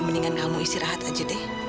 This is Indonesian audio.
mendingan kamu istirahat aja deh